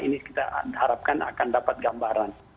ini kita harapkan akan dapat gambaran